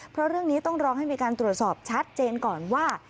เพราะเรื่องนี้ต้องรอให้มีการตรวจสอบชัดเจนก่อนว่า